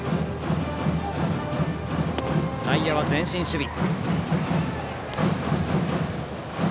内野は前進守備。